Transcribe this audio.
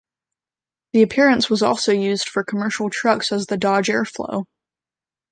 The appearance was also used for commercial trucks as the Dodge Airflow.